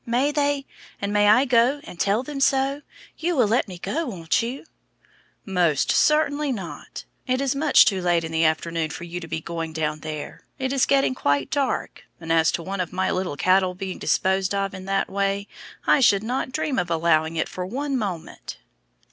May they? And may I go and tell them so? You will let me go, won't you?" [Illustration: HUGGING A LARGE PIECE OF HOLLY IN HER ARMS.] "Most certainly not; it is much too late in the afternoon for you to be going down there. It is getting quite dark, and as to one of my cattle being disposed of in that way, I should not dream of allowing it for one moment."